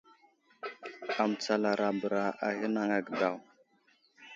Amətsalara bəra a ghinaŋ age daw.